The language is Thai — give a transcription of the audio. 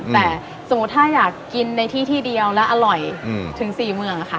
แต่สมมุติถ้าอยากกินในที่ที่เดียวและอร่อยถึง๔เมืองค่ะ